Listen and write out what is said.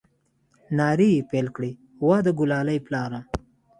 نارې يې پيل كړې وه د ګلالي پلاره!